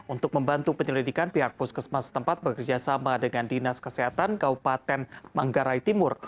untuk membantu penyelidikan pihak puskesmas setempat bekerjasama dengan dinas kesehatan kabupaten manggarai timur